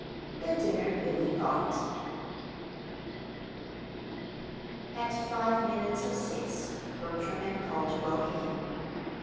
THE DINNER BILLY GOT At five minutes of six Bertram and Calderwell came.